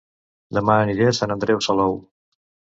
Dema aniré a Sant Andreu Salou